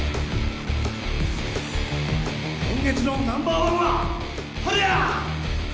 今月のナンバーワンはハルヤ！